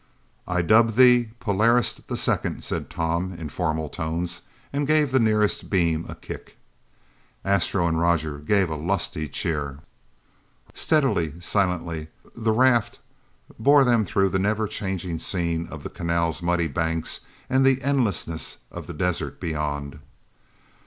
"I dub thee Polaris the Second," said Tom in formal tones and gave the nearest beam a kick. Astro and Roger gave a lusty cheer. Steadily, silently, the raft bore them through the never changing scene of the canal's muddy banks and the endlessness of the desert beyond.